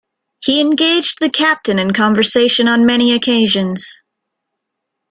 He engaged the captain in conversation on many occasions.